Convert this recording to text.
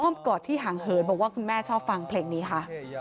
กอดที่ห่างเหินบอกว่าคุณแม่ชอบฟังเพลงนี้ค่ะ